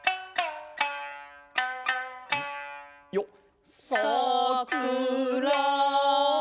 よっ。